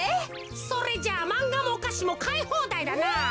それじゃあまんがもおかしもかいほうだいだな。